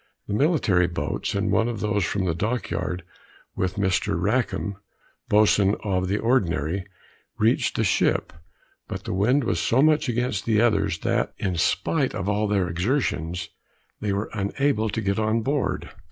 The military boats, and one of those from the dock yard, with Mr. Rackum, boatswain of the ordinary, reached the ship, but the wind was so much against the others, that, in spite of all their exertions, they were unable to get on board.